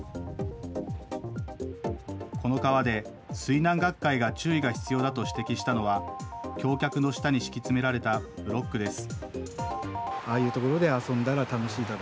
この川で水難学会が注意が必要だと指摘したのは、橋脚の下に敷き詰められたブロックです。